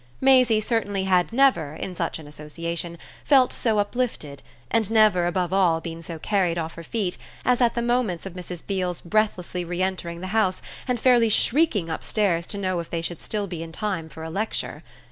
Maisie certainly had never, in such an association, felt so uplifted, and never above all been so carried off her feet, as at the moments of Mrs. Beale's breathlessly re entering the house and fairly shrieking upstairs to know if they should still be in time for a lecture.